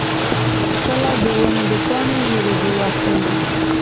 تله د ونو د پاڼو ژیړیدو وخت دی.